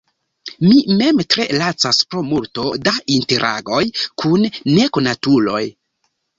Mi mem tre lacas pro multo da interagoj kun nekonatuloj.